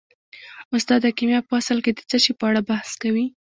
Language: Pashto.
استاده کیمیا په اصل کې د څه شي په اړه بحث کوي